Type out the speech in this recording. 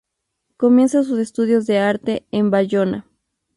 Comienza sus estudios de Arte en Bayona.